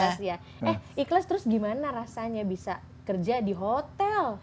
eh ikhlas terus gimana rasanya bisa kerja di hotel